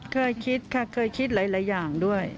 เคยคิดค่ะเคยคิดหลายอย่างด้วย